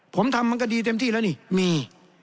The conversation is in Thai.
ผมทำมันก็ดีเต็มที่แล้วนี่มี